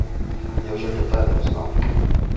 Я вже тепер не знав.